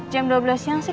jam dua belas siang sih